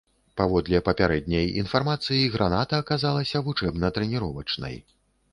Паводле папярэдняй інфармацыі, граната аказалася вучэбна-трэніровачнай.